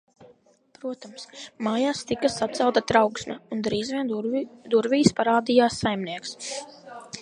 Protams, mājās tika sacelta trauksme, un drīz vien durvīs parādījās saimnieks.